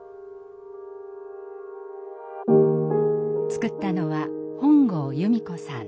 作ったのは本郷由美子さん。